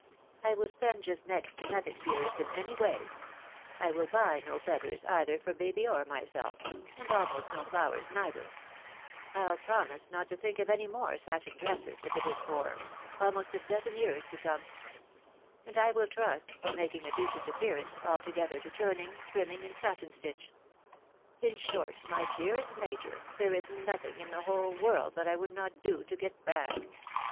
I will spend just next to nothing, dearest, in any way; — ^I will buy no feathers either for baby or myself, and almost no flowers neither ; I'll promise not to think of any more satin dresses, if it is for — ^almost a dozen years to come ; and I will trust, for making a decent appearance, altogether to turning, trimming, and satin stitch. In short, my dearest Major, there is nothing in the whole world that I would not do to get back."